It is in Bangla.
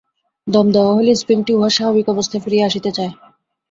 দম দেওয়া হইলে স্প্রিংটি উহার স্বাভাবিক অবস্থায় ফিরিয়া আসিতে চায়।